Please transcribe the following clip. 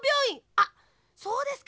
あっそうですか。